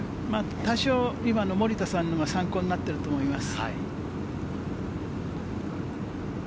多少、今の森田さんのが参考になったと思います。